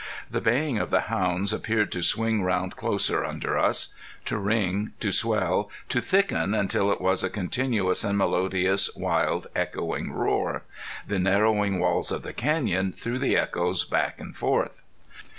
The baying of the hounds appeared to swing round closer under us; to ring, to swell, to thicken until it was a continuous and melodious, wild, echoing roar. The narrowing walls of the canyon threw the echoes back and forth.